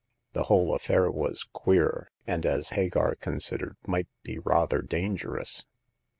The whole affair was queer, and, as Hagar considered, might be rather dangerous.